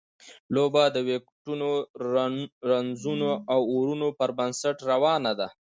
لوبه د ویکټونو، رنونو او اورونو پر بنسټ روانه ده.